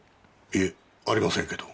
いえありませんけど。